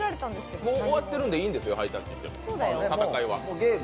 戦いは終わってるので、いいんですよ、ハイタッチしても。